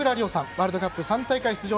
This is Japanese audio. ワールドカップ３大会出場